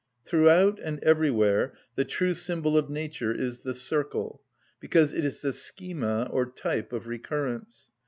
Throughout and everywhere the true symbol of nature is the circle, because it is the schema or type of recurrence.